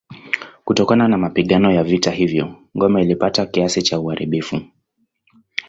Kutokana na mapigano ya vita hivyo ngome ilipata kiasi cha uharibifu.